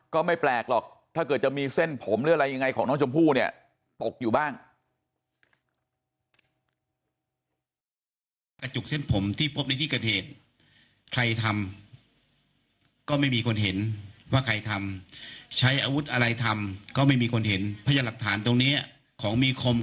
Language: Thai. ก็ไม่แปลกหรอกถ้าเกิดจะมีเส้นผมหรืออะไรยังไงของน้องชมพู่เนี่ยตกอยู่บ้าง